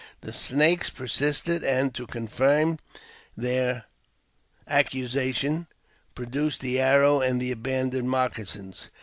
The Snakes persisted, and, to confirm their accusation, produced the arrow and the abandoned moccasins.